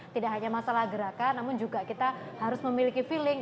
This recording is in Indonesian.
tidak hanya masalah gerakan namun juga kita harus memiliki feeling